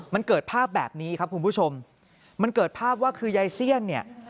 มันเกิดภาพแบบนี้ครับคุณผู้ชมมันเกิดภาพว่าคือยายเซียนเนี่ย